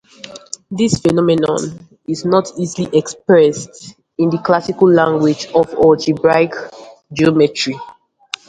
This phenomenon is not easily expressed in the classical language of algebraic geometry.